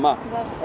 mua thực phẩm ạ